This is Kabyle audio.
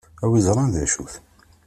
A wi iẓṛan dacu-t.